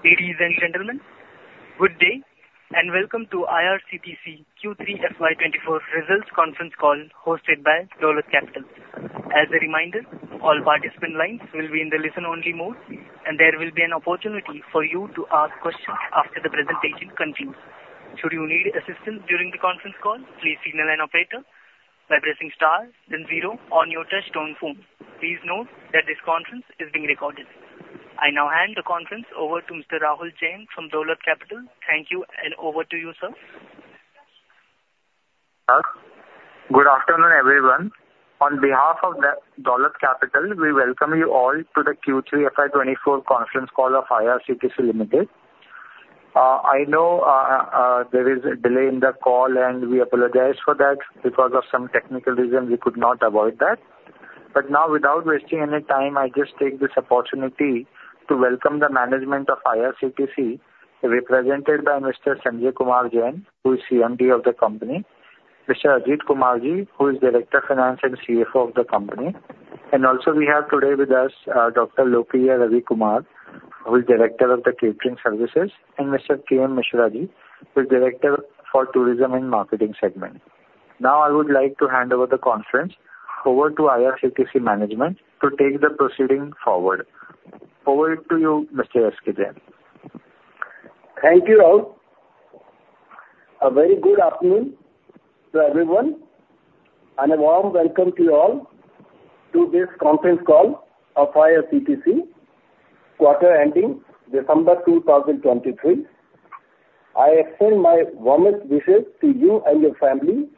Ladies and gentlemen, good day and welcome to IRCTC Q3 FY24 Results Conference Call hosted by Dolat Capital. As a reminder, all participant lines will be in the listen-only mode, and there will be an opportunity for you to ask questions after the presentation concludes. Should you need assistance during the conference call, please signal an operator by pressing star then zero on your touch-tone phone. Please note that this conference is being recorded. I now hand the conference over to Mr. Rahul Jain from Dolat Capital. Thank you, and over to you, sir. Good afternoon, everyone. On behalf of Dolat Capital, we welcome you all to the Q3 FY24 Conference Call of IRCTC Limited. I know there is a delay in the call, and we apologize for that. Because of some technical reasons, we could not avoid that. But now, without wasting any time, I just take this opportunity to welcome the management of IRCTC, represented by Mr. Sanjay Kumar Jain, who is CMD of the company; Mr. Ajit Kumar Ji, who is Director of Finance and CFO of the company; and also we have today with us Dr. Lokiah Ravikumar, who is Director of the Catering Services; and Mr. K. K. Mishra Ji, who is Director for Tourism and Marketing Segment. Now, I would like to hand over the conference over to IRCTC management to take the proceeding forward. Over to you, Mr. SKJ. Thank you, Rahul. A very good afternoon to everyone, and a warm welcome to you all to this conference call of IRCTC, quarter ending December 2023. I extend my warmest wishes to you and your family.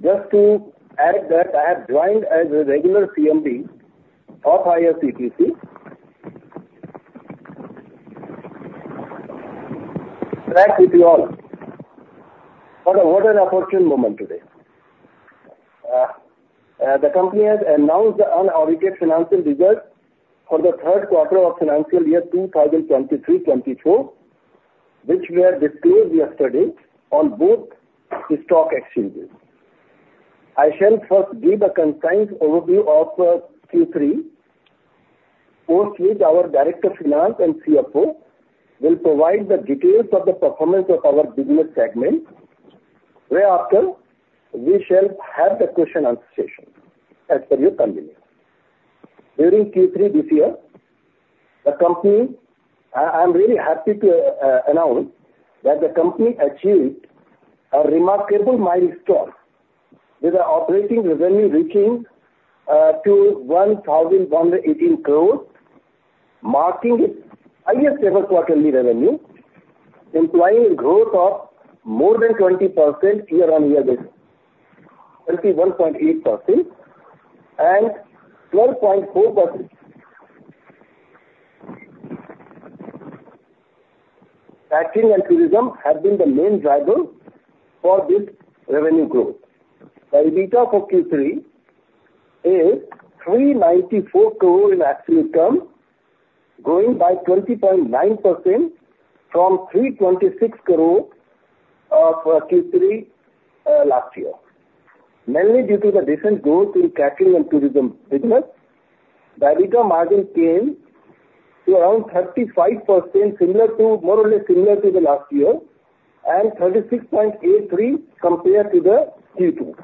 Just to add that I have joined as a regular CMD of IRCTC, to share with you all what an important moment today. The company has announced the unaudited financial results for the third quarter of financial year 2023-24, which were disclosed yesterday on both the stock exchanges. I shall first give a concise overview of Q3, post which our Director of Finance and CFO will provide the details of the performance of our business segment. Thereafter, we shall have the question-answer session as per your convenience. During Q3 this year, the company, I'm really happy to announce that the company achieved a remarkable milestone, with the operating revenue reaching to 1,118 crores, marking its highest ever quarterly revenue, implying a growth of more than 20% year-on-year basis, 21.8%, and 12.4%. Catering and tourism have been the main drivers for this revenue growth. The EBITDA for Q3 is 394 crores in absolute terms, growing by 20.9% from 326 crores of Q3 last year. Mainly due to the decent growth in catering and tourism business, the EBITDA margin came to around 35%, more or less similar to the last year, and 36.83% compared to Q2.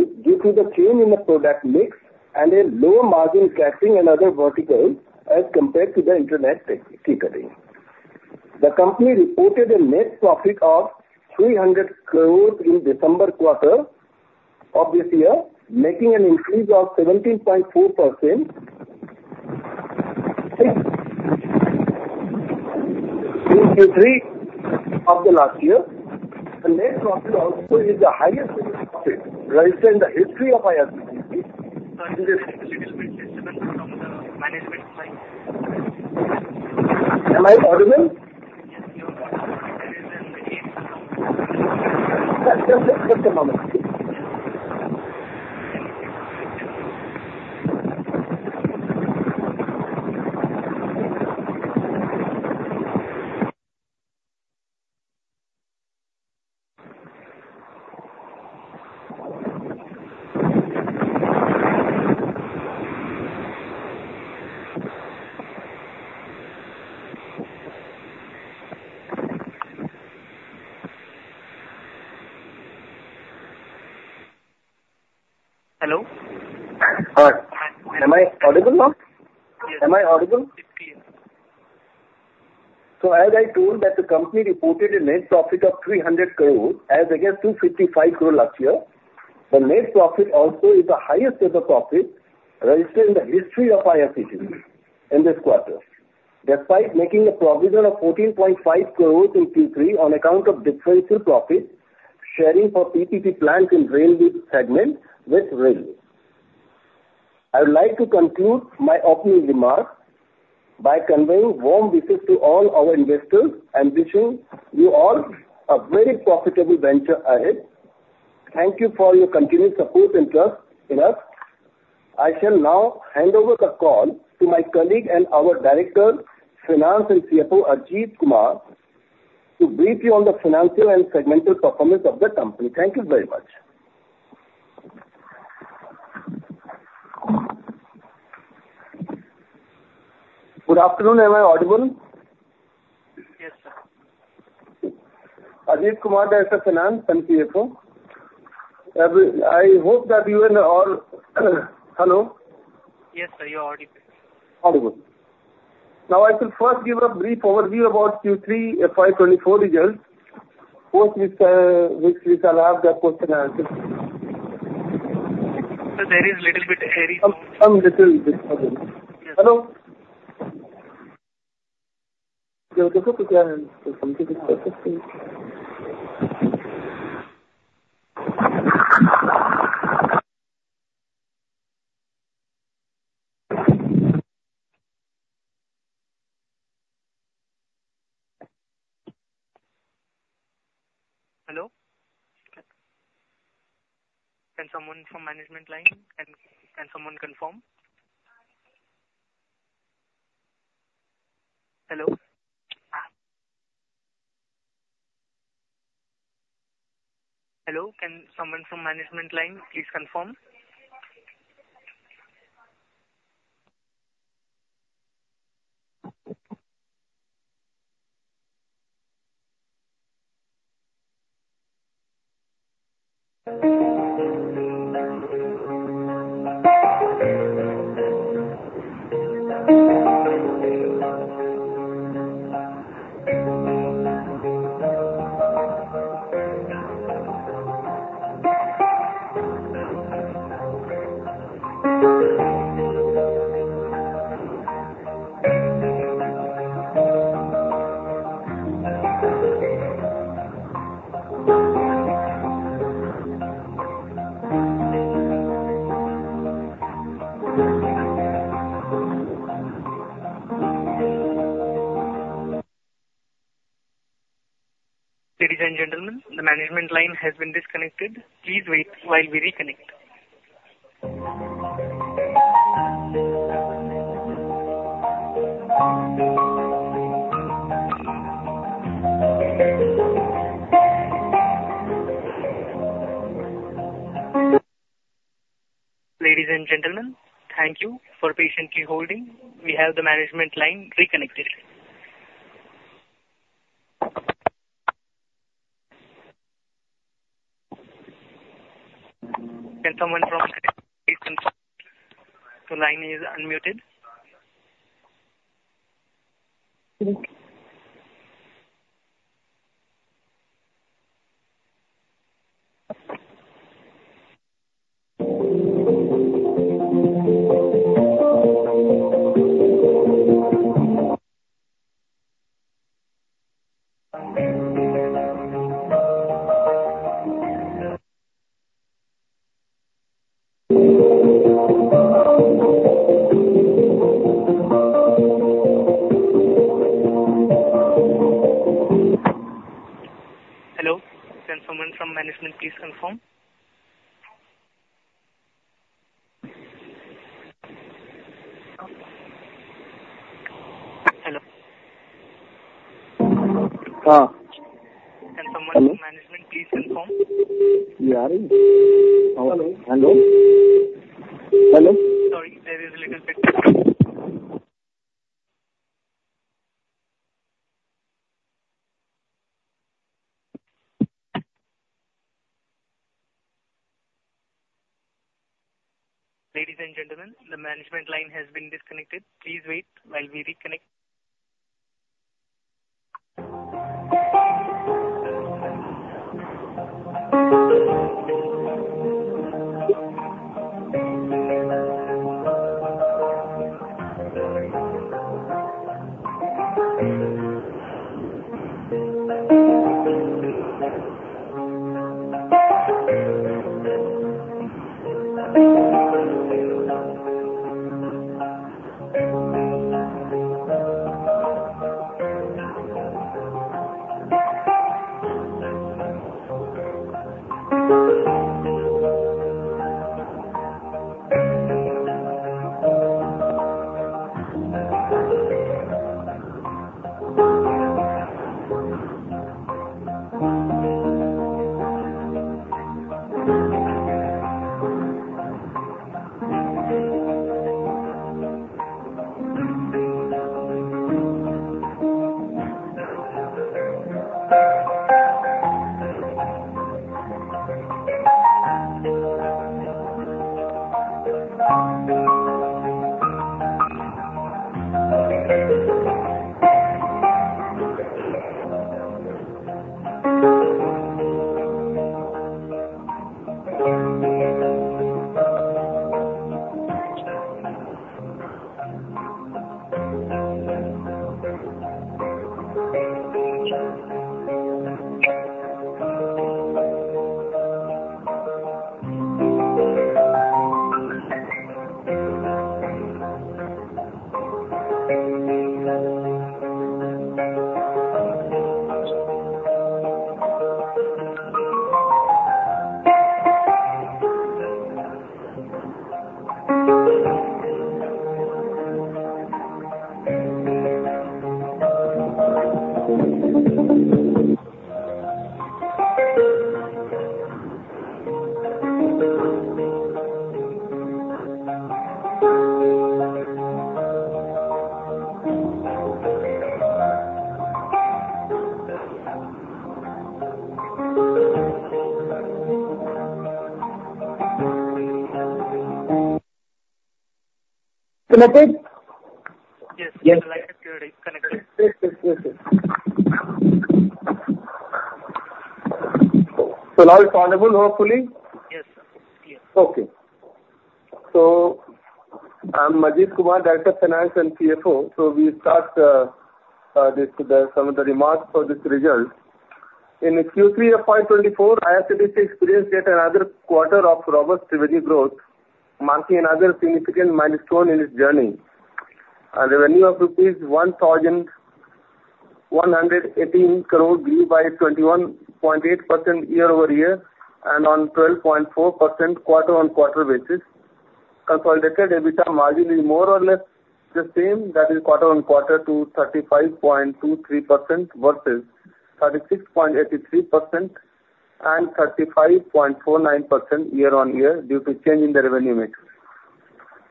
This is due to the change in the product mix and a lower margin catering and other verticals as compared to the internet ticketing. The company reported a net profit of 300 crores in December quarter of this year, making an increase of 17.4% in Q3 of the last year. The net profit also is the highest profit registered in the history of IRCTC. Am I audible? Yes, you're audible. Just a moment. Hello? Hi. Am I audible now? Yes. Am I audible? It's clear. So as I told, the company reported a net profit of 300 crores as against 255 crores last year. The net profit also is the highest ever profit registered in the history of IRCTC in this quarter, despite making a provision of 14.5 crores in Q3 on account of differential profit sharing for PPP plants in Railway segment with Railways. I would like to conclude my opening remarks by conveying warm wishes to all our investors, wishing you all a very profitable venture ahead. Thank you for your continued support and trust in us. I shall now hand over the call to my colleague and our Director (Finance) and CFO, Ajit Kumar, to brief you on the financial and segmental performance of the company. Thank you very much. Good afternoon. Am I audible? Yes, sir. Ajit Kumar there for finance and CFO. I hope that you and all, hello? Yes, sir. You're audible. Audible. Now, I shall first give a brief overview about Q3 FY24 results, which we shall have the question and answer. So there is a little bit of hearing noise. Some little bit of hearing noise. Hello? Hello? Can someone from management line - can someone confirm? Hello? Hello? Can someone from management line please confirm? Ladies and gentlemen, the management line has been disconnected. Please wait while we reconnect. Ladies and gentlemen, thank you for patiently holding. We have the management line reconnected. Can someone from management line please confirm the line is unmuted? Hello? Connected? Yes. The line is clear. It's connected. Yes, yes, yes, yes. So now it's audible, hopefully? Yes, sir. It's clear. Okay. So I'm Ajit Kumar, Director of Finance and CFO. So we'll start with some of the remarks for this result. In Q3 FY24, IRCTC experienced yet another quarter of robust revenue growth, marking another significant milestone in its journey. Revenue of INR 1,118 crores grew by 21.8% year-over-year and on 12.4% quarter-on-quarter basis. Consolidated EBITDA margin is more or less the same, that is, quarter-on-quarter to 35.23% versus 36.83% and 35.49% year-on-year due to change in the revenue mix.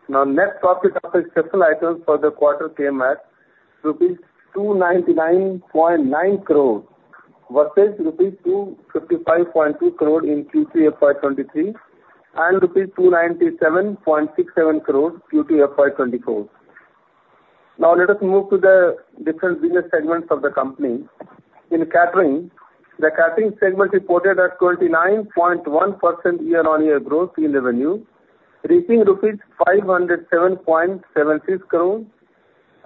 Now, net profit of exceptional items for the quarter came at rupees 299.9 crores versus rupees 255.2 crores in Q3 FY23 and rupees 297.67 crores in Q2 FY24. Now, let us move to the different business segments of the company. In catering, the catering segment reported a 29.1% year-on-year growth in revenue, reaching rupees 507.76 crores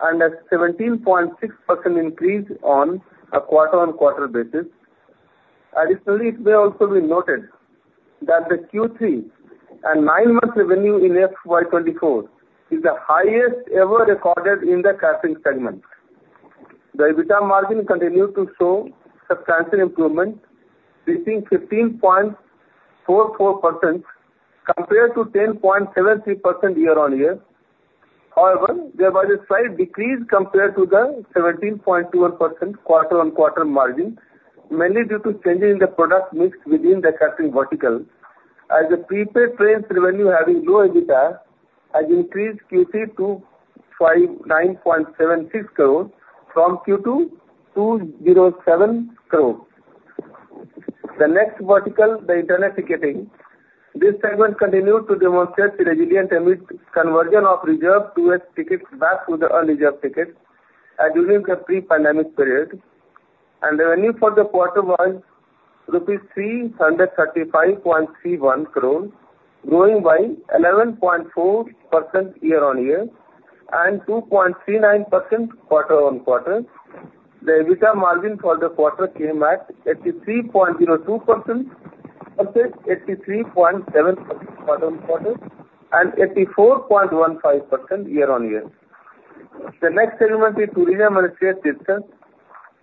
and a 17.6% increase on a quarter-on-quarter basis. Additionally, it may also be noted that the Q3 and nine-month revenue in FY24 is the highest ever recorded in the catering segment. The EBITDA margin continued to show substantial improvement, reaching 15.44% compared to 10.73% year-on-year. However, there was a slight decrease compared to the 17.21% quarter-on-quarter margin, mainly due to changes in the product mix within the catering vertical, as the prepaid trains revenue, having low EBITDA, has increased Q3 to 9.76 crores from Q2 to 0.7 crores. The next vertical, the Internet Ticketing, this segment continued to demonstrate the resilient conversion of reserved 2S tickets back to the unreserved tickets during the pre-pandemic period. And the revenue for the quarter was INR 335.31 crores, growing by 11.4% year-on-year and 2.39% quarter-on-quarter. The EBITDA margin for the quarter came at 83.02% versus 83.7% quarter-on-quarter and 84.15% year-on-year. The next segment is Tourism as we have discussed.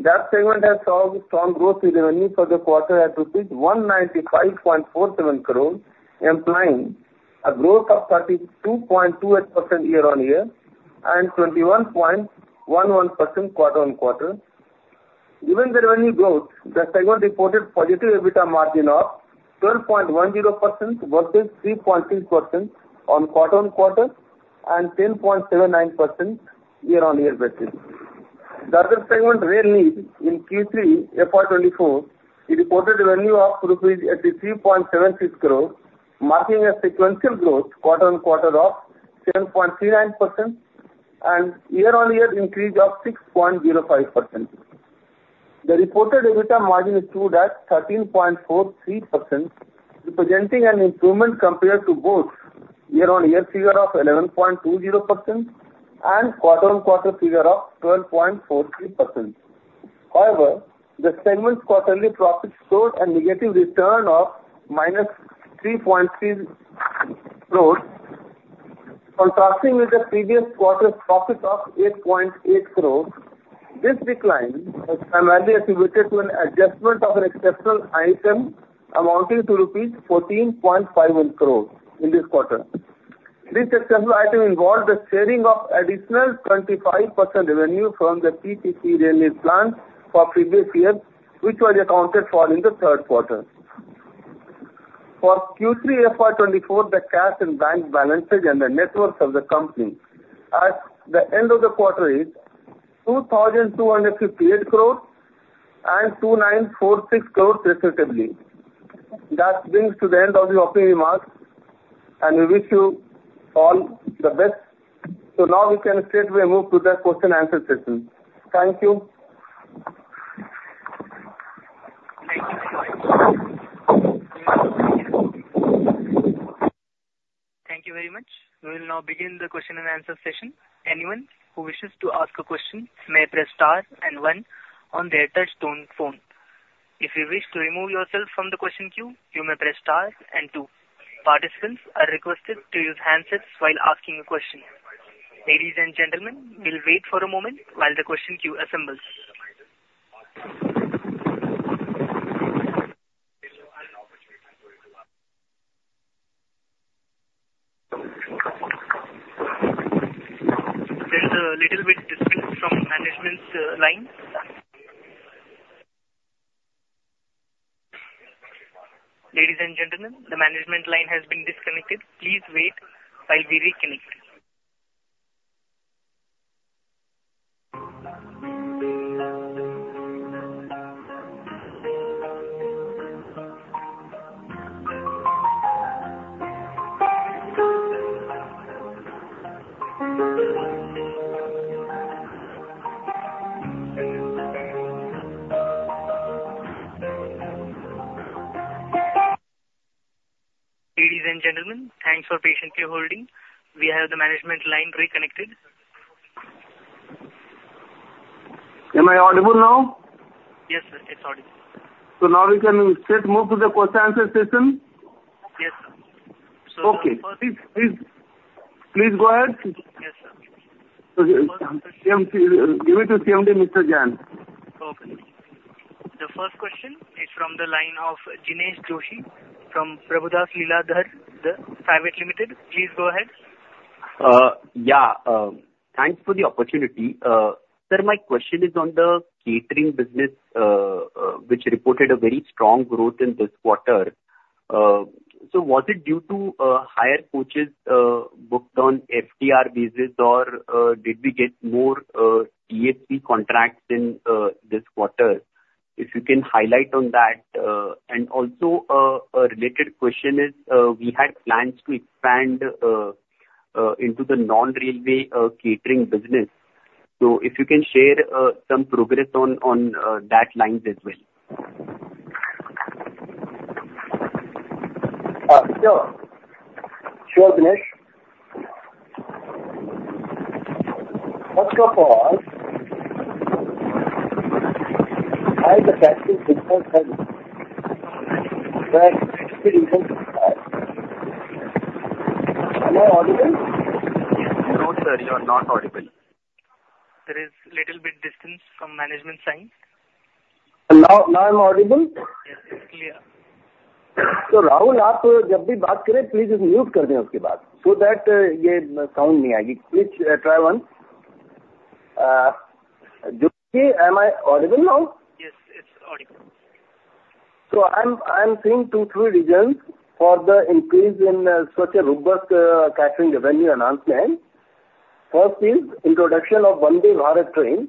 That segment has shown strong growth in revenue for the quarter at rupees 195.47 crores, implying a growth of 32.28% year-on-year and 21.11% quarter-on-quarter. Given the revenue growth, the segment reported positive EBITDA margin of 12.10% versus 3.6% on quarter-on-quarter and 10.79% year-on-year basis. The other segment, Rail Neer in Q3 FY24, reported revenue of 83.76 crores rupees, marking a sequential growth quarter-on-quarter of 7.39% and year-on-year increase of 6.05%. The reported EBITDA margin is -13.43%, representing an improvement compared to both year-on-year figure of 11.20% and quarter-on-quarter figure of 12.43%. However, the segment's quarterly profit showed a negative return of -3.3 crores, contrasting with the previous quarter's profit of 8.8 crores. This decline was primarily attributed to an adjustment of an exceptional item amounting to rupees 14.51 crores in this quarter. This exceptional item involved the sharing of additional 25% revenue from the PPP railway plant for previous years, which was accounted for in the third quarter. For Q3 FY24, the cash and bank balances and the net worth of the company at the end of the quarter is 2,258 crores and 2,946 crores respectively. That brings to the end of the opening remarks, and we wish you all the best. So now we can straightway move to the question-and-answer session. Thank you. Thank you very much. We will now begin the question-and-answer session. Anyone who wishes to ask a question may press star and one on their touch-tone phone. If you wish to remove yourself from the question queue, you may press star and two. Participants are requested to use handsets while asking a question. Ladies and gentlemen, we'll wait for a moment while the question queue assembles. There is a little bit of distance from management's line. Ladies and gentlemen, the management line has been disconnected. Please wait while we reconnect. Ladies and gentlemen, thanks for patiently holding. We have the management line reconnected. Am I audible now? Yes, sir. It's audible. So now we can straight move to the question-and-answer session. Yes, sir. Okay. Please go ahead. Yes, sir. Okay. Give it to CMD, Mr. Jain. Okay. The first question is from the line of Jinesh Joshi from Prabhudas Leeladhar Private Limited. Please go ahead. Yeah. Thanks for the opportunity. Sir, my question is on the catering business, which reported a very strong growth in this quarter. So was it due to higher coaches booked on FTR basis, or did we get more TSV contracts in this quarter? If you can highlight on that. And also, a related question is, we had plans to expand into the non-railway catering business. So if you can share some progress on that line as well. Sure. Sure, Jinesh. First of all, I'm the catering business head. Can you hear me? Am I audible? No, sir. You are not audible. There is a little bit of distance from management's side. Now I'm audible? Yes, it's clear. So Rahul, आप जब भी बात करें, please mute कर दें उसके बाद, so that ये sound नहीं आएगी. Please try once. Joshi, am I audible now? Yes, it's audible. So I'm seeing two or three reasons for the increase in such a robust catering revenue announcement. First is introduction of Vande Bharat trains.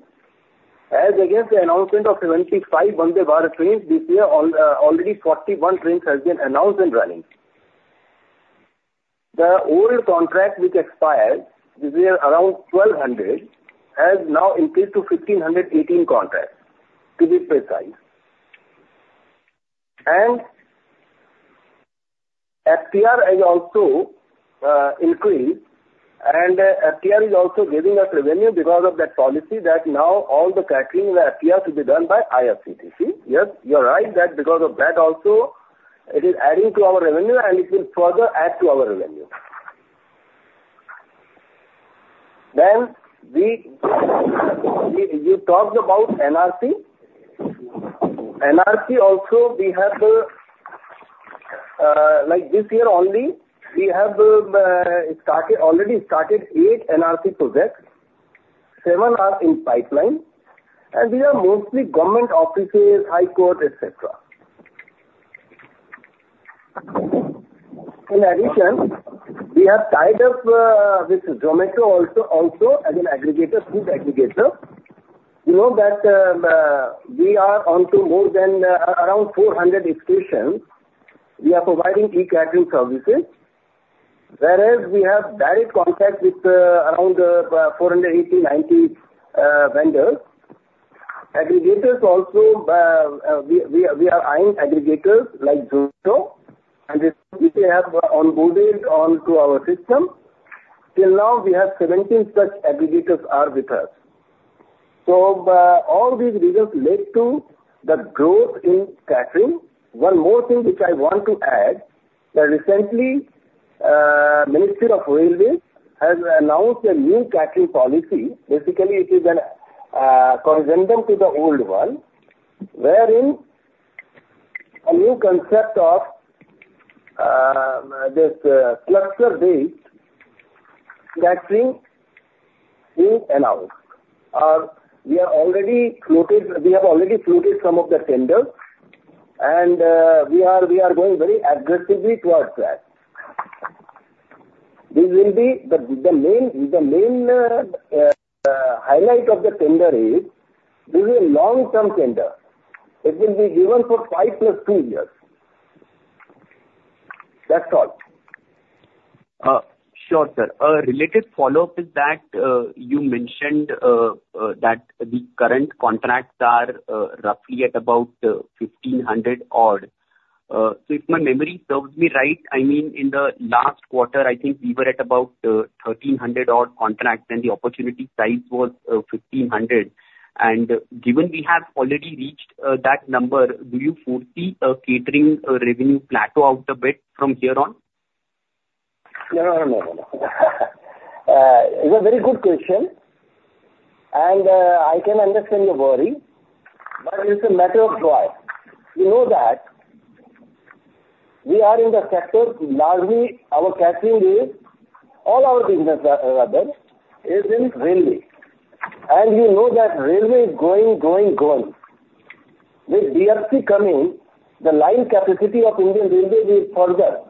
As against the announcement of 75 Vande Bharat trains this year, already 41 trains have been announced and running. The old contract, which expired this year, around 1,200, has now increased to 1,518 contracts, to be precise. And FTR has also increased, and FTR is also giving us revenue because of that policy that now all the catering in the FTR should be done by IRCTC. Yes, you're right that because of that also, it is adding to our revenue, and it will further add to our revenue. Then you talked about NRC. NRC also, we have this year only, we have already started eight NRC projects. Seven are in pipeline, and these are mostly government offices, high courts, etc. In addition, we have tied up with Zomato also as an aggregator, food aggregator. You know that we are onto more than around 400 stations. We are providing e-catering services, whereas we have direct contact with around 480, 90 vendors. Aggregators also, we are eyeing aggregators like Zomato, and we have onboarded onto our system. Till now, we have 17 such aggregators with us. So all these reasons led to the growth in catering. One more thing which I want to add, that recently the Ministry of Railways has announced a new catering policy. Basically, it is an amendment to the old one, wherein a new concept of this cluster-based catering being announced. We have already floated some of the tenders, and we are going very aggressively towards that. The main highlight of the tender is this is a long-term tender. It will be given for five plus two years. That's all. Sure, sir. A related follow-up is that you mentioned that the current contracts are roughly at about 1,500 odd. So if my memory serves me right, I mean, in the last quarter, I think we were at about 1,300 odd contracts, and the opportunity size was 1,500. And given we have already reached that number, do you foresee a catering revenue plateau out a bit from here on? No, no, no, no. It's a very good question, and I can understand your worry, but it's a matter of choice. You know that we are in the sector largely our catering is all our business, rather, is in Railways. And you know that Railways is growing, growing, growing. With DFC coming, the line capacity of Indian Railways will further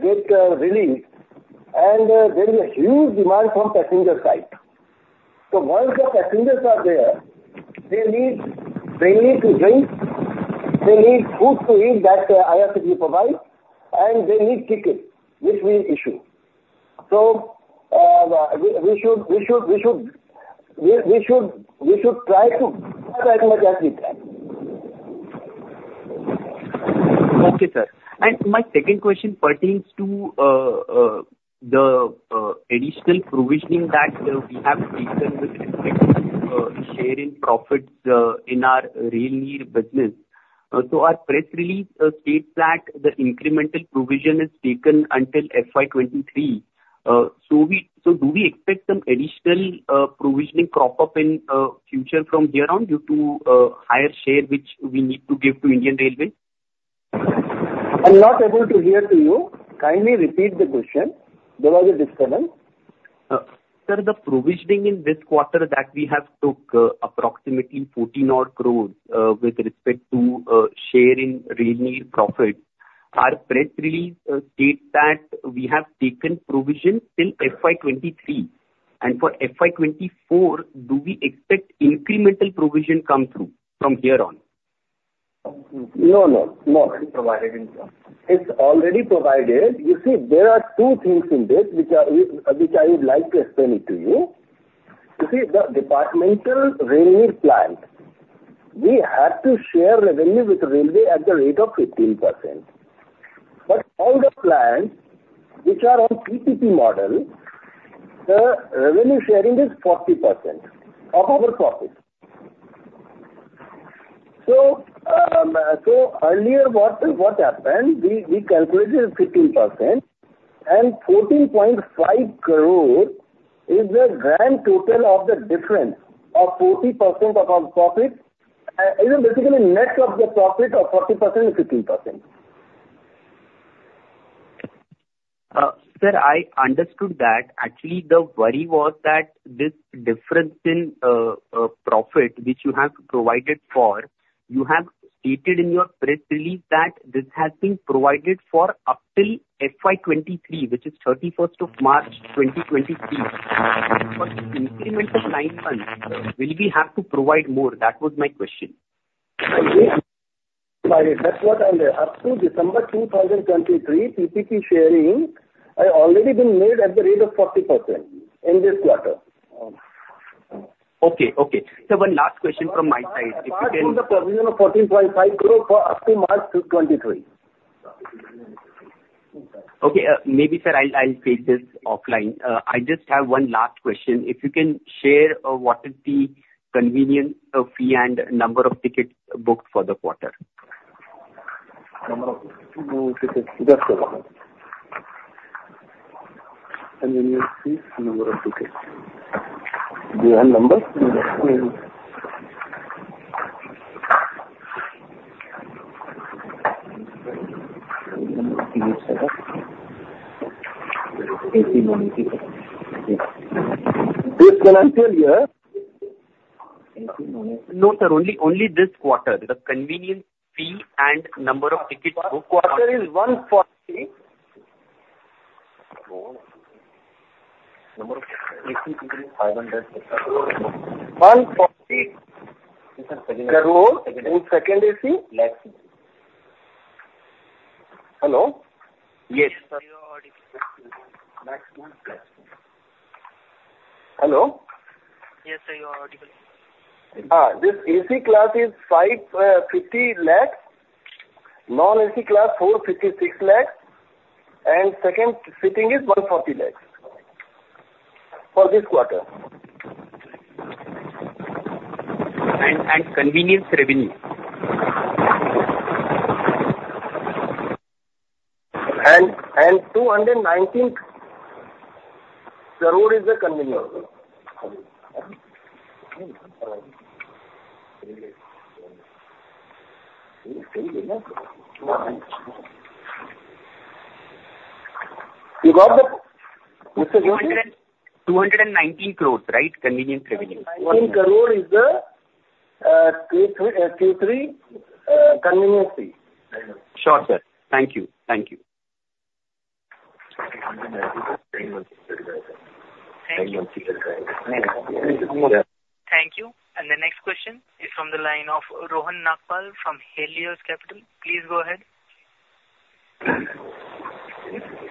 get released, and there is a huge demand from passenger side. So once the passengers are there, they need drinks, they need food to eat that IRCTC provides, and they need tickets, which we issue. So we should try to do as much as we can. Okay, sir. And my second question pertains to the additional provisioning that we have taken with respect to share in profits in our Rail Neer business. So our press release states that the incremental provision is taken until FY23. So do we expect some additional provisioning crop up in the future from here on due to higher share which we need to give to Indian Railways? I'm not able to hear you. Kindly repeat the question. There was a discordance. Sir, the provisioning in this quarter that we have took approximately 14 odd crores with respect to share in Rail Neer profits. Our press release states that we have taken provision till FY23. And for FY24, do we expect incremental provision come through from here on? No, no. Not provided income. It's already provided. You see, there are two things in this which I would like to explain it to you. You see, the departmental Railway plant, we had to share revenue with Railway at the rate of 15%. But all the plants which are on PPP model, the revenue sharing is 40% of our profits. So earlier, what happened, we calculated 15%, and 14.5 crores is the grand total of the difference of 40% of our profit. Basically, net of the profit of 40% is 15%. Sir, I understood that. Actually, the worry was that this difference in profit which you have provided for, you have stated in your press release that this has been provided for up till FY23, which is 31st of March 2023. For the incremental line funds, will we have to provide more? That was my question. That's what I'll say. Up to December 2023, PPP sharing has already been made at the rate of 40% in this quarter. Okay, okay. Sir, one last question from my side. If you can. I'm on the provision of 14.5 crores for up to March 2023. Okay. Maybe, sir, I'll take this offline. I just have one last question. If you can share what is the convenience fee and number of tickets booked for the quarter? Number of tickets. That's the one. Convenience fee, number of tickets. Do you have numbers? No, sir. Only this quarter. The convenience fee and number of tickets booked. This quarter is 140. Number of tickets, 500. 140. The row? Whose second AC? Hello? Yes. Hello? Yes, sir. You are audible. This AC class is 550 lakhs. Non-AC class, 456 lakhs. And second sitting is 140 lakhs for this quarter. Convenience revenue? 219 crores is the convenience. You got the question? 219 crores, right? Convenience revenue. 219 crores is the Q3 convenience fee. Sure, sir. Thank you. Thank you. Thank you. And the next question is from the line of Rohan Nagpal from Helios Capital. Please go ahead.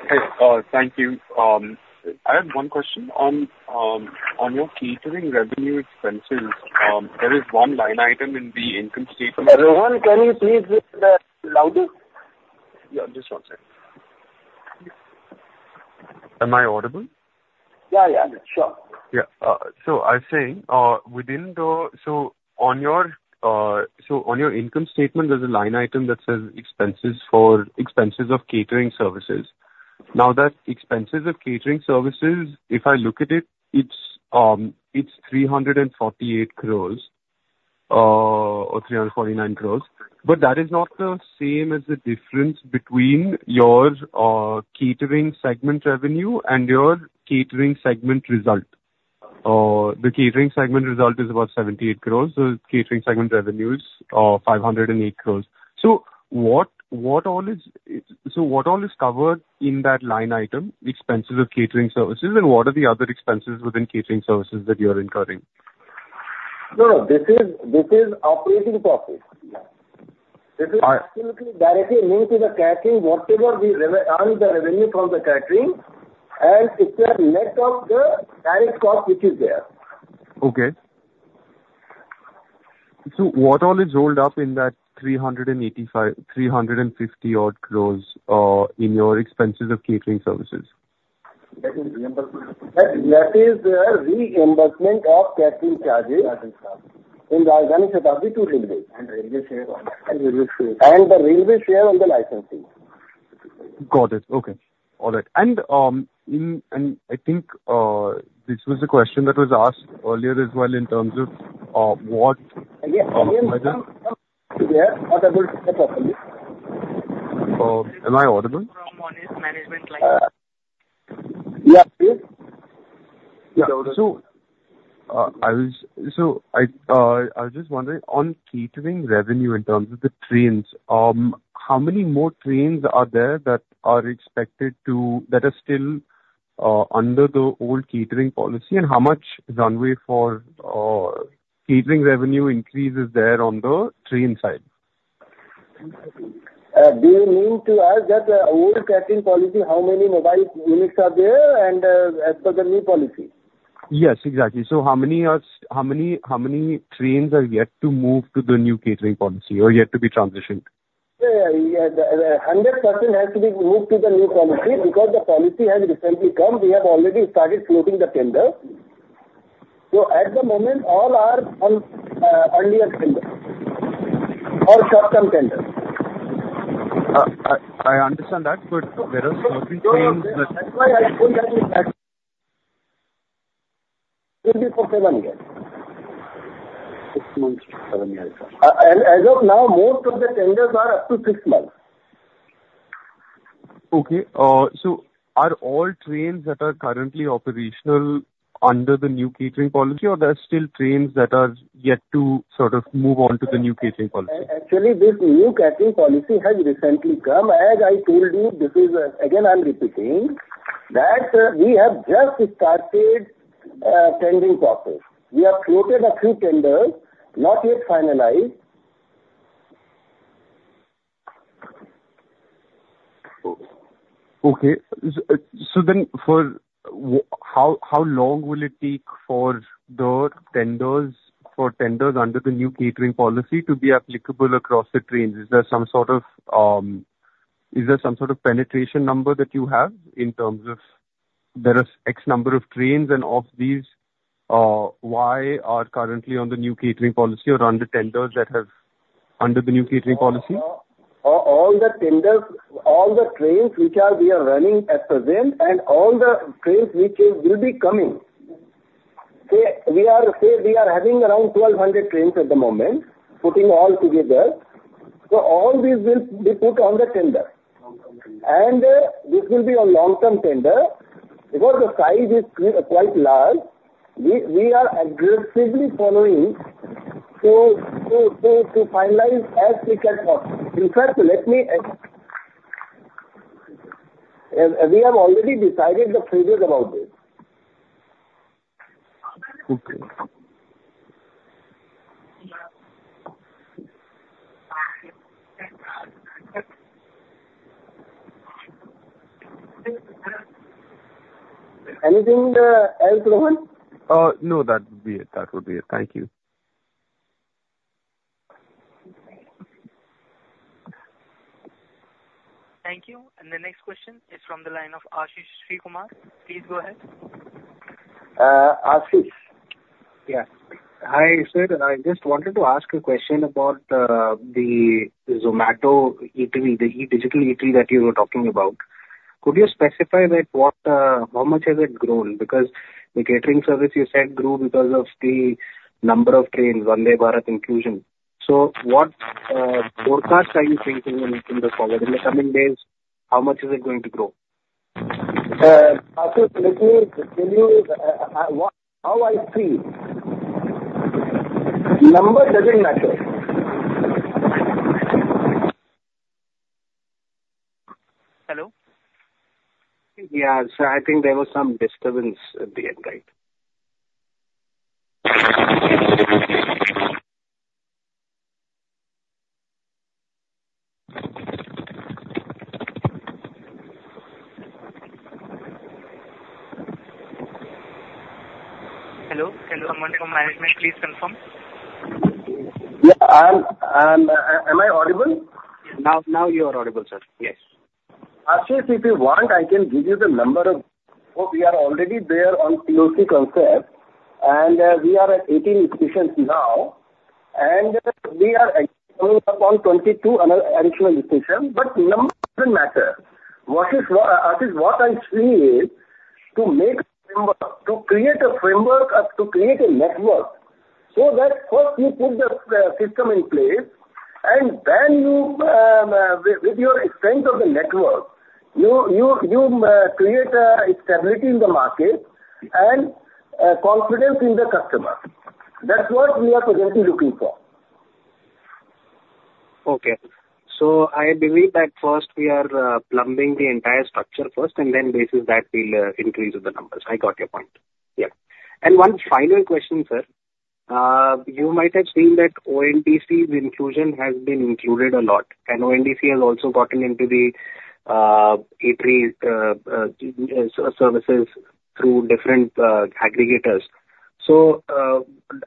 Hey, thank you. I have one question. On your catering revenue expenses, there is one line item in the income statement. Rohan, can you please say that louder? Yeah, just one second. Am I audible? Yeah, yeah. Sure. Yeah. So I was saying, within the, so on your income statement, there's a line item that says expenses of catering services. Now, that expenses of catering services, if I look at it, it's 348 crores or 349 crores. But that is not the same as the difference between your catering segment revenue and your catering segment result. The catering segment result is about 78 crores. The catering segment revenue is 508 crores. So what all is covered in that line item, expenses of catering services? And what are the other expenses within catering services that you are incurring? No, no. This is operating profit. This is absolutely directly linked to the catering, whatever we earn the revenue from the catering, and it's a net of the direct cost which is there. Okay. So what all is rolled up in that 350-odd crores in your expenses of catering services? That is reimbursement of catering charges in Rajdhani Shatabdi to Railways. And the Railway share on the licensing. Got it. Okay. All right. And I think this was a question that was asked earlier as well in terms of what. Yes. I'm here. I'm able to hear properly. Am I audible? From Management Line. Yeah. Please. Yeah. So I was just wondering, on catering revenue in terms of the trains, how many more trains are there that are still under the old catering policy, and how much runway for catering revenue increase is there on the train side? Do you mean to ask that the old catering policy, how many mobile units are there and as per the new policy? Yes, exactly. So how many trains are yet to move to the new catering policy or yet to be transitioned? Yeah, yeah. 100% has to be moved to the new policy because the policy has recently come. We have already started floating the tenders. So at the moment, all are only a tender or short-term tenders. I understand that, but whereas floating trains. That's why I told you that it will be for seven years. Six months to seven years. As of now, most of the tenders are up to six months. Okay. So are all trains that are currently operational under the new catering policy, or there are still trains that are yet to sort of move on to the new catering policy? Actually, this new catering policy has recently come. As I told you, this is again, I'm repeating, that we have just started tendering process. We have floated a few tenders, not yet finalized. Okay. So then how long will it take for the tenders under the new catering policy to be applicable across the trains? Is there some sort of penetration number that you have in terms of there are X number of trains, and of these, how many are currently on the new catering policy or under tenders that are under the new catering policy? All the tenders, all the trains which we are running at present, and all the trains which will be coming. Say we are having around 1,200 trains at the moment, putting all together. So all these will be put on the tender. And this will be a long-term tender because the size is quite large. We are aggressively following to finalize as quick as possible. In fact, let me we have already decided the previous about this. Okay. Anything else, Rohan? No, that would be it. That would be it. Thank you. Thank you. And the next question is from the line of Ashish Sreekumar. Please go ahead. Ashish. Yeah. Hi, sir. I just wanted to ask a question about the Zomato, the digital eatery that you were talking about. Could you specify how much has it grown? Because the catering service you said grew because of the number of trains, Vande Bharat inclusion. So what forecast are you thinking in the forward, in the coming days, how much is it going to grow? Ashish, let me tell you how I see it. Number doesn't matter. Hello? Yeah. So I think there was some disturbance at the end, right? Hello? Hello, moderator. Management, please confirm. Am I audible? Now you are audible, sir. Yes. Ashish, if you want, I can give you the number of. We are already there on POC concept, and we are at 18 stations now, and we are coming upon 22 additional stations, but number doesn't matter. Ashish, what I see is to make a framework, to create a framework, to create a network so that first, you put the system in place, and then with your strength of the network, you create stability in the market and confidence in the customer. That's what we are presently looking for. Okay. So I believe that first, we are planning the entire structure first, and then based on that we'll increase the numbers. I got your point. Yeah. And one final question, sir. You might have seen that ONDC's inclusion has been included a lot. And ONDC has also gotten into the e-catering services through different aggregators. So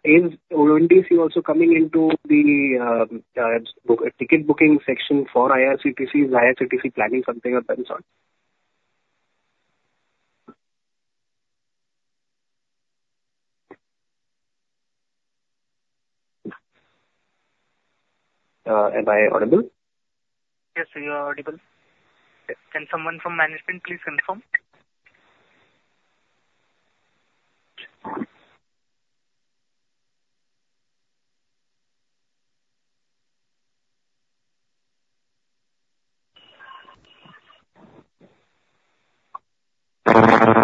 is ONDC also coming into the ticket booking section for IRCTC? IRCTC planning something of that sort? Am I audible? Yes, sir. You are audible. Can someone from management please confirm?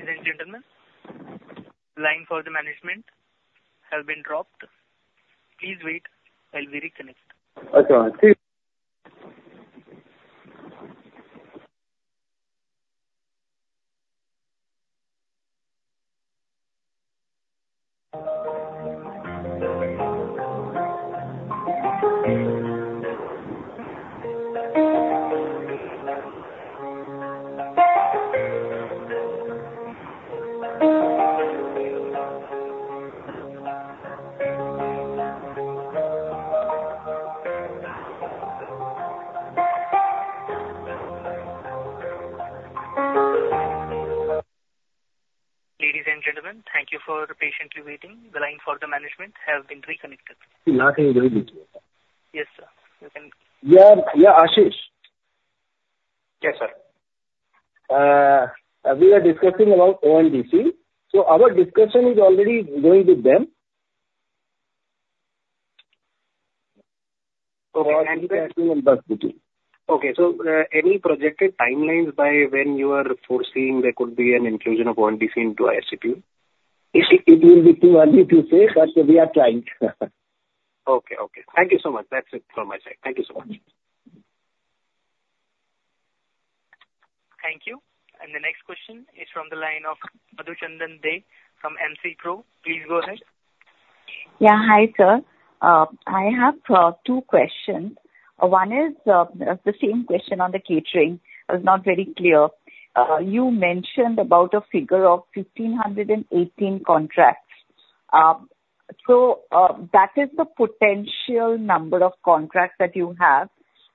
There is a little bit disturbance. There is an incident. Line for the management has been dropped. Please wait. I'll be reconnected. Okay. Ladies and gentlemen, thank you for patiently waiting. The line for the management has been reconnected. Now connected. Yes, sir. You can. Yeah. Yeah, Ashish. Yes, sir. We are discussing about ONDC, so our discussion is already going with them. Okay. So any projected timelines by when you are foreseeing there could be an inclusion of ONDC into IRCTC? It will be too early to say, but we are trying. Okay. Okay. Thank you so much. That's it from my side. Thank you so much. Thank you. The next question is from the line of Madhuchanda Dey from MC Pro. Please go ahead. Yeah. Hi, sir. I have two questions. One is the same question on the catering. I was not very clear. You mentioned about a figure of 1,518 contracts. So that is the potential number of contracts that you have.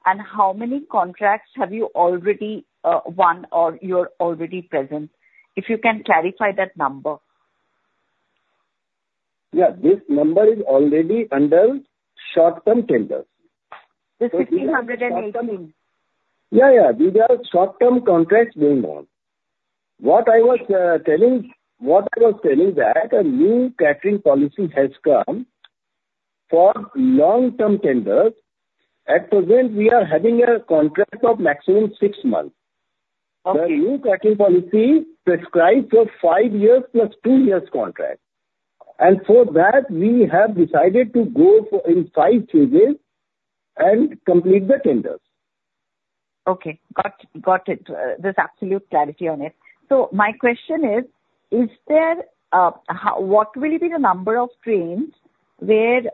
And how many contracts have you already won or you're already present? If you can clarify that number? Yeah. This number is already under short-term tenders. The 1,518? Yeah, yeah. These are short-term contracts being won. What I was telling is that a new catering policy has come for long-term tenders. At present, we are having a contract of maximum six months. The new catering policy prescribes a five-year plus two-year contract. And for that, we have decided to go in five phases and complete the tenders. Okay. Got it. There's absolute clarity on it. So my question is, what will be the number of trains, given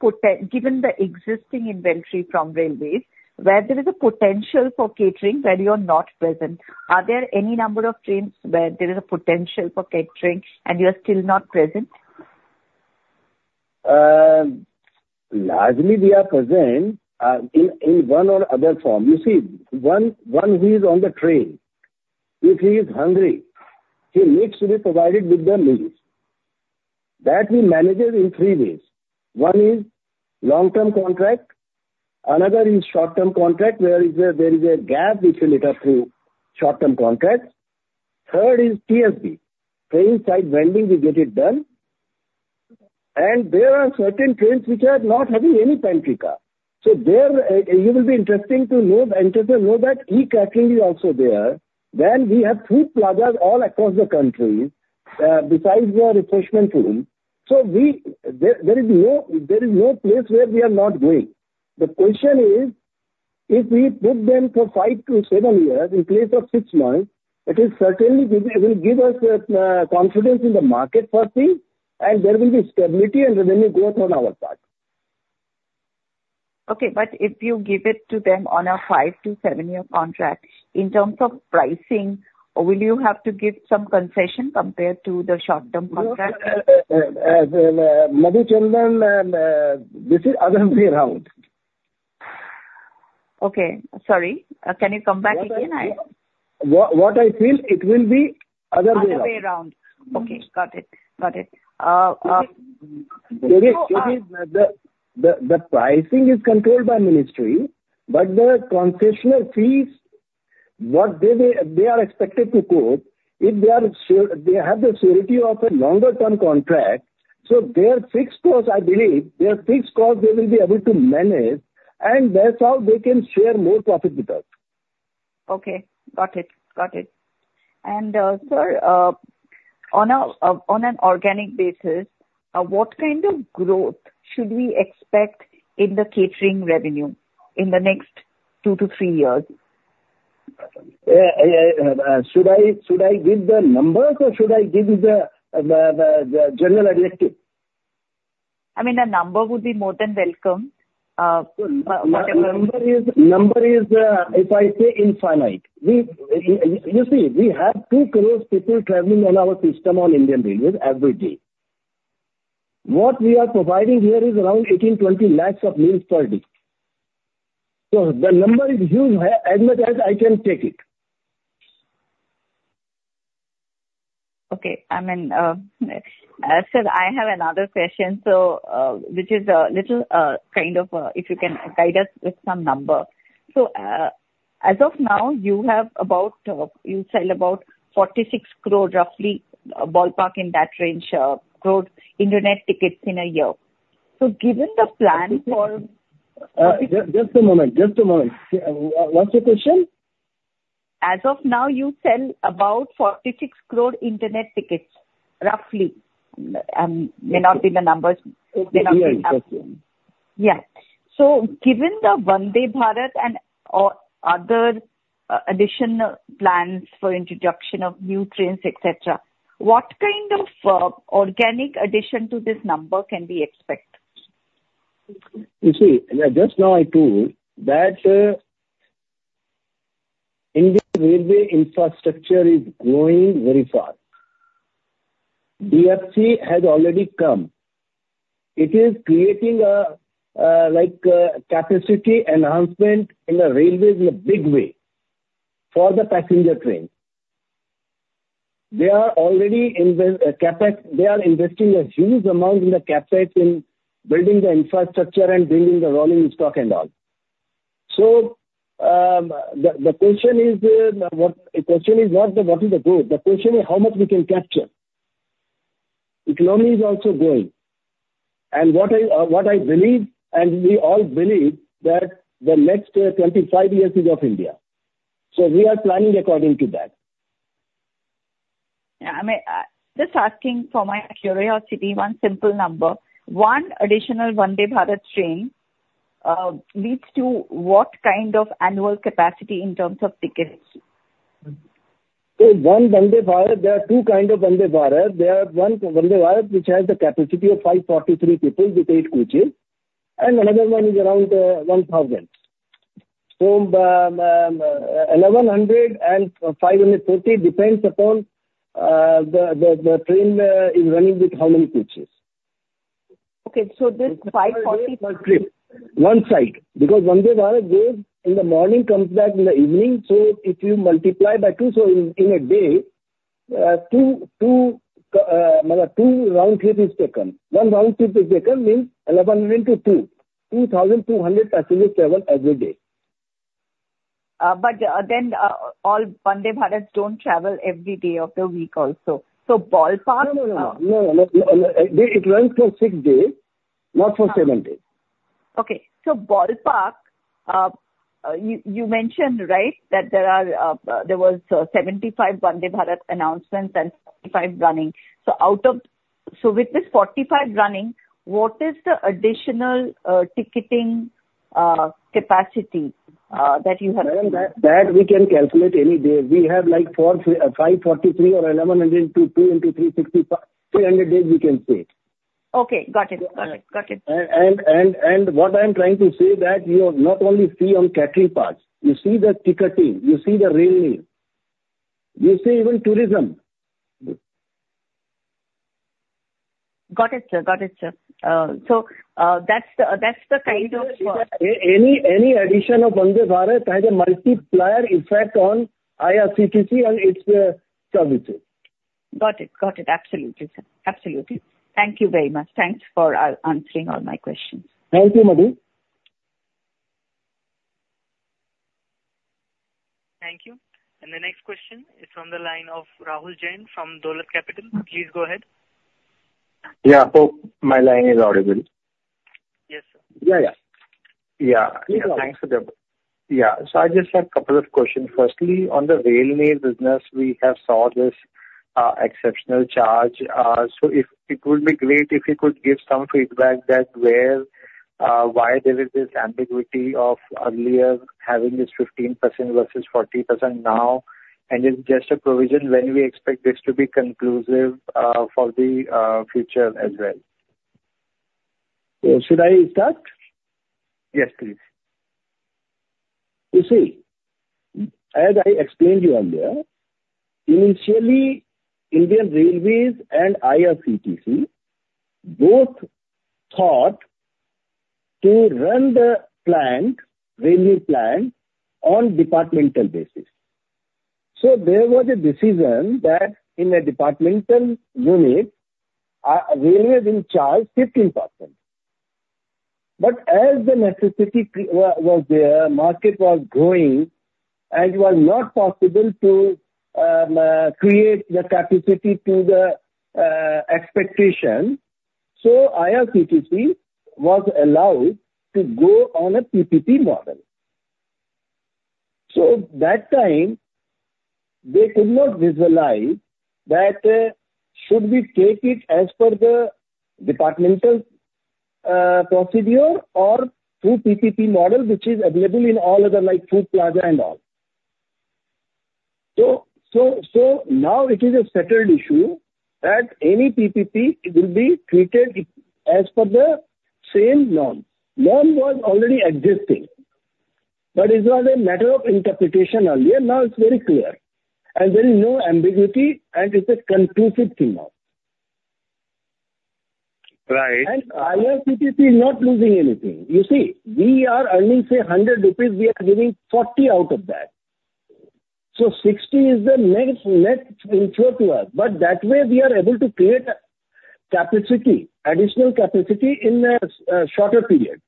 the existing inventory from Railways, where there is a potential for catering where you are not present? Are there any number of trains where there is a potential for catering and you are still not present? Largely, we are present in one or other form. You see, one who is on the train, if he is hungry, he needs to be provided with the meals. That we manage in three ways. One is long-term contract. Another is short-term contract where there is a gap which will lead up to short-term contracts. Third is TSV, Train Side Vending. And there are certain trains which are not having any pantry car. So you will be interesting to know that e-catering is also there. Then we have food plazas all across the country besides the refreshment room. So there is no place where we are not going. The question is, if we put them for five to seven years in place of six months, it will certainly give us confidence in the market firstly, and there will be stability and revenue growth on our part. Okay, but if you give it to them on a five-to-seven-year contract, in terms of pricing, will you have to give some concession compared to the short-term contract? Madhuchanda, this is other way around. Okay. Sorry. Can you come back again? What I feel, it will be other way around. Other way around. Okay. Got it. Got it. The pricing is controlled by ministry, but the transitional fees, what they are expected to quote, if they have the surety of a longer-term contract, so their fixed cost, I believe, their fixed cost, they will be able to manage, and that's how they can share more profit with us. Okay. Got it. Got it. And, sir, on an organic basis, what kind of growth should we expect in the catering revenue in the next two to three years? Should I give the numbers or should I give you the general objective? I mean, a number would be more than welcome. Whatever. The number is, if I say, infinite. You see, we have two crores of people traveling on our system on Indian Railways every day. What we are providing here is around 18-20 lakhs of meals per day. So the number is huge, as much as I can take it. Okay. I mean, sir, I have another question, which is a little kind of, if you can guide us with some number. So as of now, you sell about 46 crores, roughly, ballpark in that range, crores in your net tickets in a year. So given the plan for. Just a moment. Just a moment. What's your question? As of now, you sell about 46 crores in your net tickets, roughly. May not be the numbers. Okay. Yeah. Yeah. So given the Vande Bharat and other additional plans for introduction of new trains, etc., what kind of organic addition to this number can we expect? You see, just now I told you that Indian Railways infrastructure is growing very fast. DFC has already come. It is creating a capacity enhancement in the Railways in a big way for the passenger trains. They are already investing a huge amount in CapEx, in building the infrastructure and bringing the rolling stock and all. So the question is, the question is not what is the growth. The question is how much we can capture. Economy is also growing, and what I believe, and we all believe, that the next 25 years is of India, so we are planning according to that. Yeah. I mean, just asking for my curiosity, one simple number. One additional Vande Bharat train leads to what kind of annual capacity in terms of tickets? On Vande Bharat, there are two kinds of Vande Bharat. There is one Vande Bharat which has the capacity of 543 people with eight coaches. And another one is around 1,000. So 1,100 and 540 depends upon the train is running with how many coaches. Okay, so this 540. One side. Because Vande Bharat goes in the morning, comes back in the evening. So if you multiply by two, so in a day, two round trips is taken. One round trip is taken means 1,100 into two. 2,200 passengers travel every day. But then all Vande Bharats don't travel every day of the week also. So ballpark. No, no, no, no. It runs for six days, not for seven days. Okay. So ballpark, you mentioned, right, that there was 75 Vande Bharat announcements and 45 running. So with this 45 running, what is the additional ticketing capacity that you have? That we can calculate any day. We have like 543 or 1,100 into 2 into 365. 300 days we can see it. Okay. Got it. Got it. Got it. What I'm trying to say is that you not only see on catering parts. You see the ticketing. You see the railway. You see even tourism. Got it, sir. So that's the kind of. Any addition of Vande Bharat has a multiplier effect on IRCTC and its services. Got it. Got it. Absolutely, sir. Absolutely. Thank you very much. Thanks for answering all my questions. Thank you, Madhu. Thank you. And the next question is from the line of Rahul Jain from Dolat Capital. Please go ahead. Yeah. My line is audible. Yes, sir. So I just have a couple of questions. Firstly, on the Railway business, we have saw this exceptional charge. So it would be great if you could give some feedback that why there is this ambiguity of earlier having this 15% versus 40% now. And it's just a provision. When do we expect this to be conclusive for the future as well? So should I start? Yes, please. You see, as I explained to you earlier, initially, Indian Railways and IRCTC both thought to run the Rail Neer plant on departmental basis. So there was a decision that in a departmental unit, Railways in charge 15%. But as the necessity was there, market was growing, and it was not possible to create the capacity to the expectation. So IRCTC was allowed to go on a PPP model. So that time, they could not visualize that should we take it as per the departmental procedure or through PPP model, which is available in all other like food plaza and all. So now it is a settled issue that any PPP will be treated as per the same norm. Norm was already existing. But it was a matter of interpretation earlier. Now it's very clear. And there is no ambiguity, and it's a conclusive thing now. Right. IRCTC is not losing anything. You see, we are earning, say, 100 rupees. We are giving 40 out of that. 60 is the net in short to us. That way, we are able to create additional capacity in a shorter period.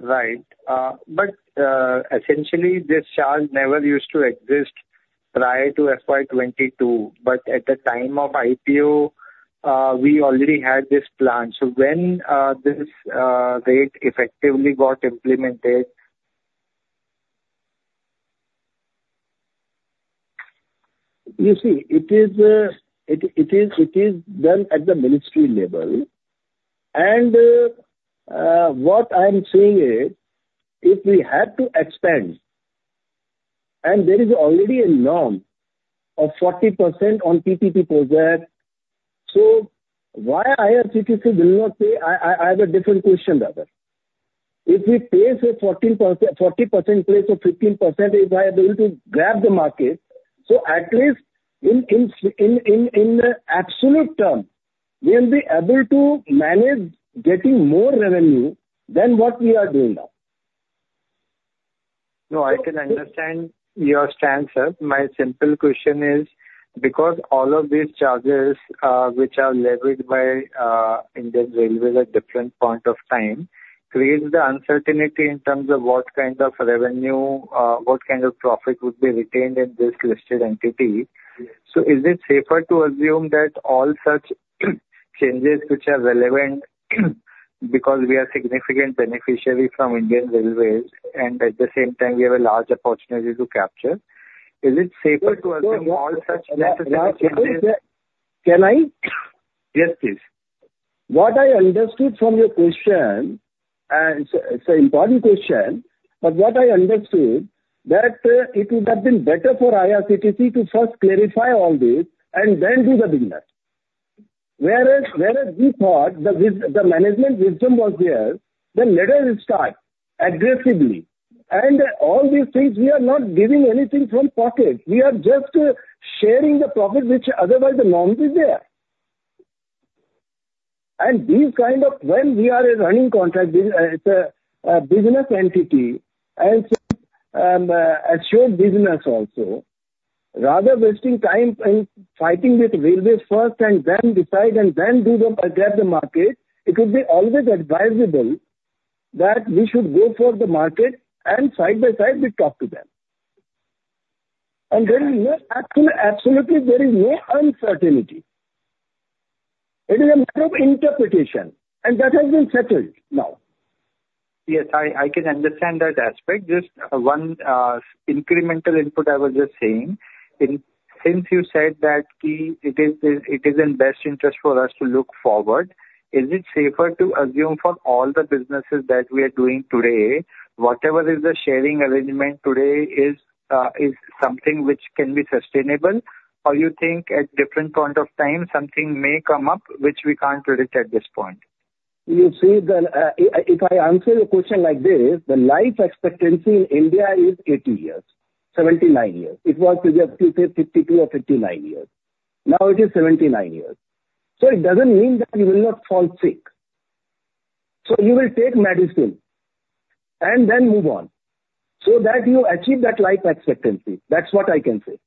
Right. But essentially, this charge never used to exist prior to FY22. But at the time of IPO, we already had this plan. So when this rate effectively got implemented? You see, it is done at the ministry level. And what I'm saying is, if we had to expand, and there is already a norm of 40% on PPP project, so why IRCTC will not say, "I have a different quotation, brother." If we pay a 40% in place of 15%, if I'm able to grab the market, so at least in the absolute terms, we will be able to manage getting more revenue than what we are doing now. No, I can understand your stance, sir. My simple question is, because all of these charges which are levied by Indian Railways at different point of time create the uncertainty in terms of what kind of revenue, what kind of profit would be retained in this listed entity. So is it safer to assume that all such changes which are relevant because we are significant beneficiaries from Indian Railways, and at the same time, we have a large opportunity to capture? Is it safer to assume all such necessary changes? Can I? Yes, please. What I understood from your question, and it's an important question, but what I understood is that it would have been better for IRCTC to first clarify all this and then do the business. Whereas we thought the management wisdom was there, then let us start aggressively. And all these things, we are not giving anything from pocket. We are just sharing the profit which otherwise the norm is there. And these kinds of when we are a running contract, it's a business entity, and it's a shared business also, rather wasting time and fighting with Railways first and then decide and then grab the market, it would be always advisable that we should go for the market and side by side, we talk to them. And there is no absolutely, there is no uncertainty. It is a matter of interpretation. And that has been settled now. Yes, I can understand that aspect. Just one incremental input I was just saying. Since you said that it is in best interest for us to look forward, is it safer to assume for all the businesses that we are doing today, whatever is the sharing arrangement today is something which can be sustainable, or you think at different point of time, something may come up which we can't predict at this point? You see, if I answer your question like this, the life expectancy in India is 80 years, 79 years. It was previously 52 or 59 years. Now it is 79 years. So it doesn't mean that you will not fall sick. So you will take medicine and then move on so that you achieve that life expectancy. That's what I can say.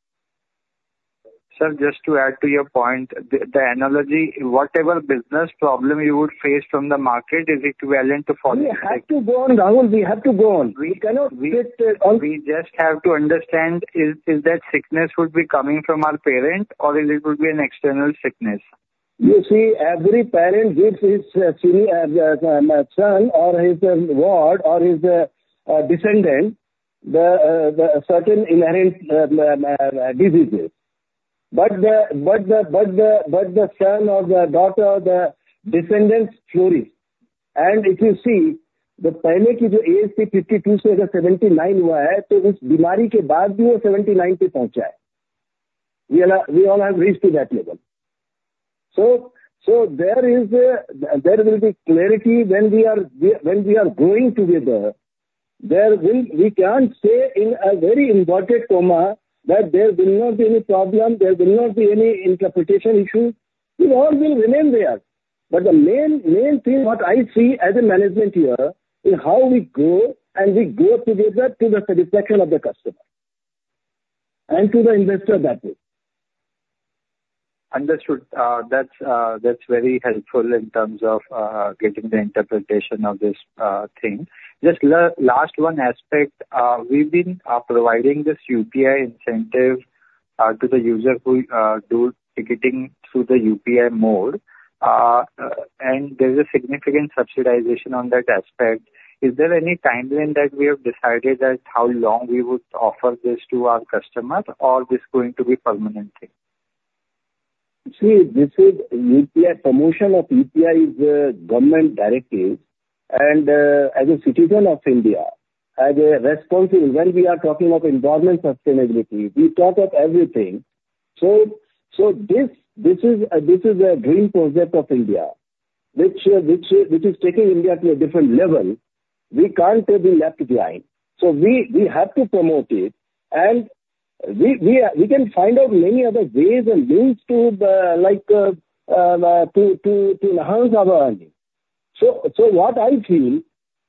Sir, just to add to your point, the analogy, whatever business problem you would face from the market is equivalent to falling sick. We have to go on, Rahul. We have to go on. We cannot quit on. We just have to understand, is that business would be coming from our parent or it would be an external business? You see, every parent gives his son or his ward or his descendant certain inherent diseases. But the son or the daughter, the descendants flourish, and if you see, the age is 52, so 79 was, so this demanding came back to 79 to puncture. We all have reached to that level, so there will be clarity when we are going together. We can't say in a very important manner that there will not be any problem, there will not be any interpretation issue. It all will remain there, but the main thing what I see as a management here is how we go and we go together to the satisfaction of the customer and to the investor that way. Understood. That's very helpful in terms of getting the interpretation of this thing. Just last one aspect. We've been providing this UPI incentive to the user who do ticketing through the UPI mode. And there is a significant subsidization on that aspect. Is there any timeline that we have decided that how long we would offer this to our customer, or this is going to be a permanent thing? See, this is UPI promotion of UPI is a government directive and as a citizen of India, as a responsible, when we are talking of environmental sustainability, we talk of everything so this is a dream project of India which is taking India to a different level. We can't be left behind so we have to promote it and we can find out many other ways and means to enhance our earning so what I feel is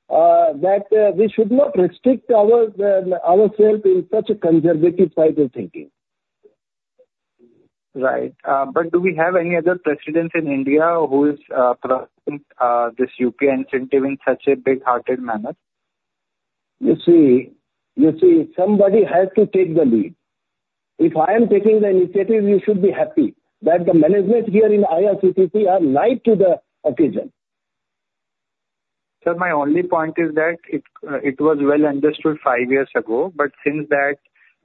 that we should not restrict ourselves in such a conservative type of thinking. Right. But do we have any other presidents in India who have promoted this UPI incentive in such a big-hearted manner? You see, somebody has to take the lead. If I am taking the initiative, you should be happy that the management here in IRCTC are rising to the occasion. Sir, my only point is that it was well understood five years ago. But since that,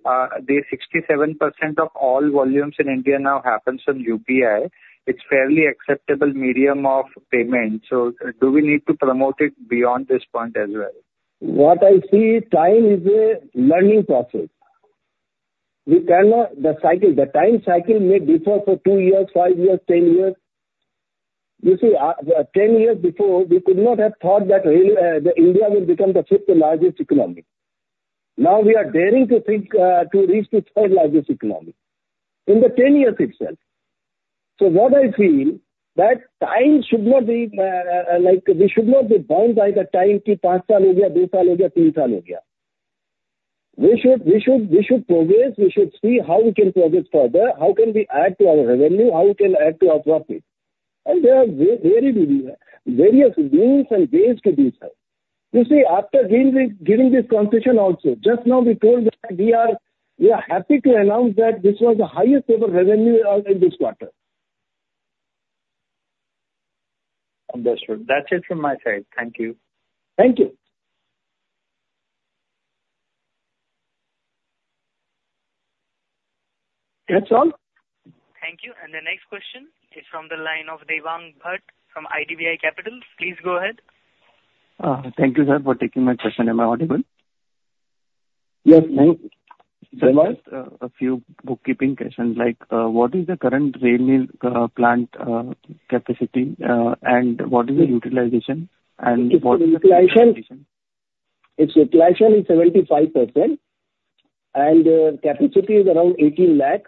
67% of all volumes in India now happens on UPI. It's fairly acceptable medium of payment. So do we need to promote it beyond this point as well? What I see, time is a learning process. The time cycle may differ for two years, five years, 10 years. You see, 10 years before, we could not have thought that India would become the fifth largest economy. Now we are daring to reach the third largest economy in the 10 years itself. So what I feel is that time should not be like we should not be bound by the time to five years ago, two years ago, three years ago. We should progress. We should see how we can progress further, how can we add to our revenue, how we can add to our profit. And there are various means and ways to do so. You see, after giving this concession also, just now we told that we are happy to announce that this was the highest ever revenue in this quarter. Understood. That's it from my side. Thank you. Thank you. That's all. Thank you. And the next question is from the line of Devang Bhatt from IDBI Capital. Please go ahead. Thank you, sir, for taking my question. Am I audible? Yes. Just a few bookkeeping questions. What is the current Rail Neer plant capacity and what is the utilization? Its utilization is 75%, and the capacity is around 18 lakh.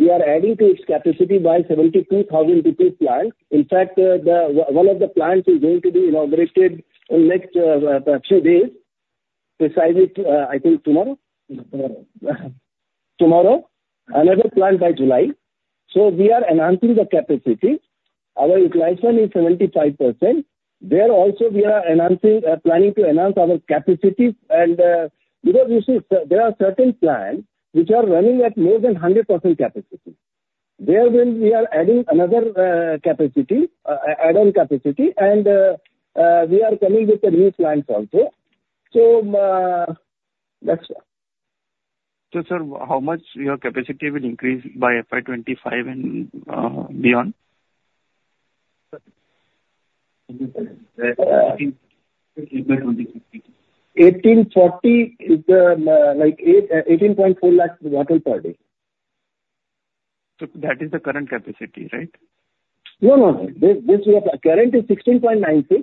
We are adding to its capacity by 72,000 Rail Neer plants. In fact, one of the plants is going to be inaugurated in the next few days, precisely, I think, tomorrow. Tomorrow. Another plant by July, so we are enhancing the capacity. Our utilization is 75%. There also, we are planning to enhance our capacity. And because you see, there are certain plants which are running at more than 100% capacity. There we are adding another add-on capacity, and we are coming with the new plants also, so that's why. So, sir, how much your capacity will increase by FY25 and beyond? 1840 is like 18.4 lakh bottles per day. So that is the current capacity, right? No, no, no. Current is 16.96.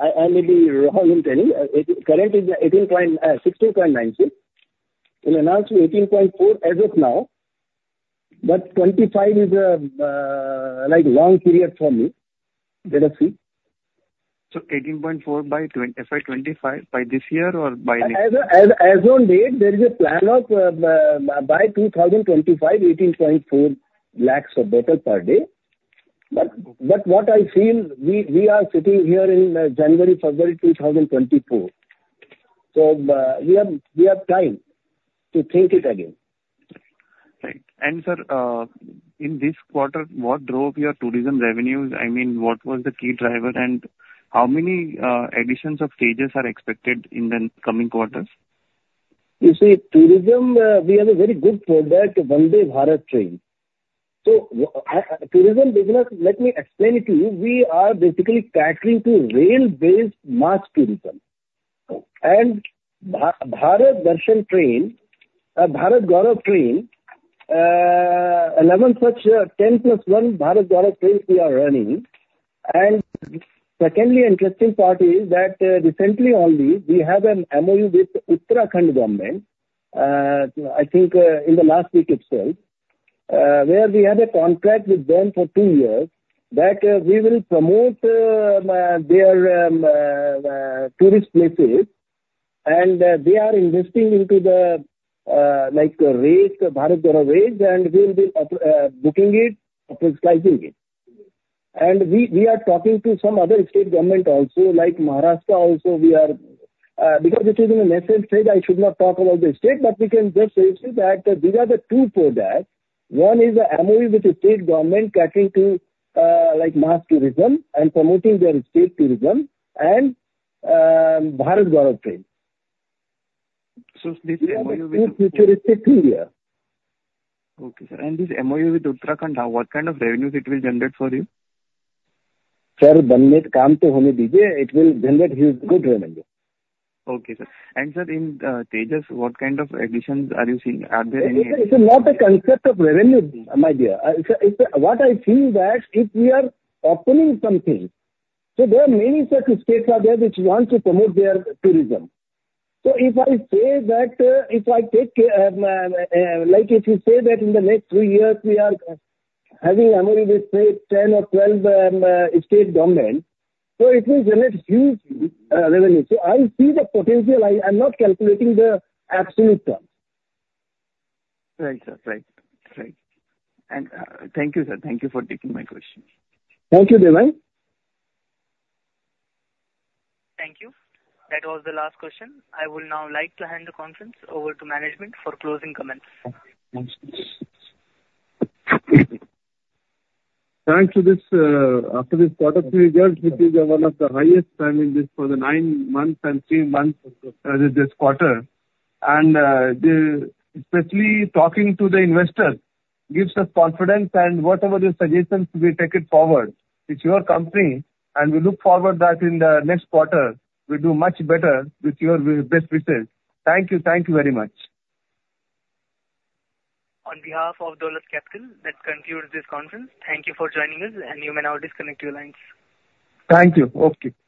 I may be wrong in telling. Current is 16.96. We announced 18.4 as of now. But 25 is a long period for me. Let us see. So 18.4 by FY25, by this year or by next? As of date, there is a plan of by 2025, 18.4 lakhs of bottles per day. But what I feel, we are sitting here in January, February 2024. So we have time to think it again. Right, and sir, in this quarter, what drove your tourism revenues? I mean, what was the key driver, and how many additions of stages are expected in the coming quarters? You see, tourism, we have a very good product, Vande Bharat Train. So tourism business, let me explain it to you. We are basically tackling rail-based mass tourism. And Bharat Darshan Train, Bharat Gaurav Train, 11 such 10 plus 1 Bharat Gaurav Trains we are running. And secondly, interesting part is that recently only, we have an MOU with the Uttarakhand government, I think in the last week itself, where we have a contract with them for two years that we will promote their tourist places. And they are investing into the train, Bharat Gaurav Train, and we will be booking it, upsizing it. And we are talking to some other state government also, like Maharashtra also, because it is in a national state, I should not talk about the state, but we can just say that these are the two projects. One is an MOU with the state government to tackle mass tourism and promoting their state tourism and Bharat Gaurav Train. So this MOU with. Future is still two years. Okay, sir, and this MOU with Uttarakhand, what kind of revenues it will generate for you? Sir, one minute, come to Mumbai, be there. It will generate good revenue. Okay, sir. And, sir, in Tejas, what kind of additions are you seeing? Are there any? It's not a concept of revenue, my dear. What I see is that if we are opening something, so there are many such states out there which want to promote their tourism. So if I say that, if I take like if you say that in the next three years, we are having an MOU with, say, 10 or 12 state governments, so it will generate huge revenue. So I see the potential. I'm not calculating the absolute terms. Right, sir. Right. Right, and thank you, sir. Thank you for taking my question. Thank you, Devang. Thank you. That was the last question. I would now like to hand the conference over to management for closing comments. Thanks. After this quarter three years, which is one of the highest timing for the nine months and three months this quarter. And especially talking to the investor gives us confidence, and whatever your suggestions, we take it forward. It's your company, and we look forward to that in the next quarter. We do much better with your best wishes. Thank you. Thank you very much. On behalf of Dolat Capital, that concludes this conference. Thank you for joining us, and you may now disconnect your lines. Thank you. Okay. Bye.